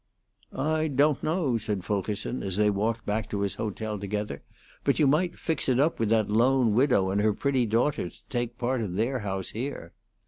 "I don't know," said Fulkerson, as they walked back to his hotel together, "but you might fix it up with that lone widow and her pretty daughter to take part of their house here."